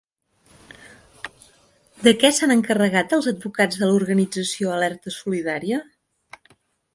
De què s'han encarregat els advocats de l'organització Alerta Solidària?